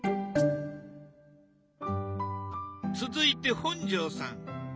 続いて本上さん。